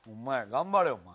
頑張れお前。